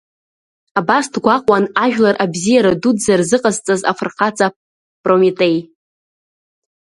Абас дгәаҟуан ажәлар абзиара дуӡӡа рзыҟазҵаз афырхаҵа Прометеи.